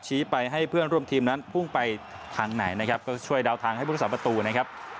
ไปให้เพื่อนร่วมทีมนั้นพุ่งไปทางไหนนะครับก็ช่วยเดาทางให้พุทธศาสประตูนะครับ